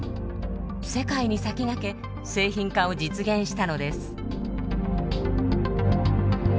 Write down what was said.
世界に先駆け製品化を実現したのです。